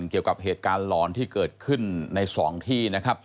เกี่ยวกับเหตุการณ์ร้อนที่เกิดขึ้นใน๒ที่